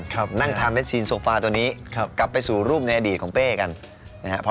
ครับนั่งทานเม็ดชีนโซฟาตัวนี้ครับกลับไปสู่รูปในอดีตของเป้กันนะครับ